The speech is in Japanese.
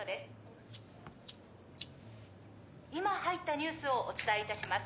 「今入ったニュースをお伝え致します」